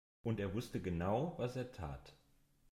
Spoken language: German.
Und er wusste genau, was er tat.